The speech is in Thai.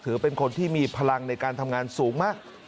ถือเป็นคนที่มีพลังในการทำงานสูงมาก